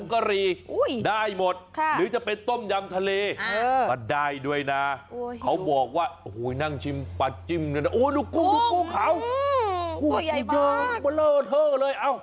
กื้มมาเยอะเทอะเลย